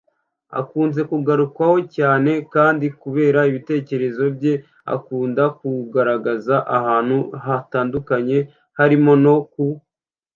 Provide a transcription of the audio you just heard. Akunze kugarukwaho cyane kandi kubera ibitekerezo bye akunda kugaragaza ahantu hatandukanye harimo no ku mbuga nkoranyambaga